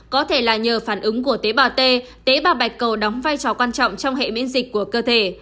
có thể là nhờ phản ứng của tế bào t tế bà bạch cầu đóng vai trò quan trọng trong hệ miễn dịch của cơ thể